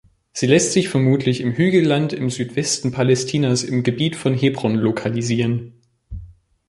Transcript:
Sie lässt sich vermutlich im Hügelland im Südwesten Palästinas im Gebiet von Hebron lokalisieren.